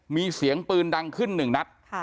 มีเสียงปืนดังขึ้นหนึ่งนัด